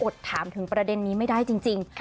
ถามถึงประเด็นนี้ไม่ได้จริง